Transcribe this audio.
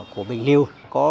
của bình liêu có